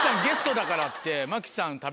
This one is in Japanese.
ゲストだからって真木さん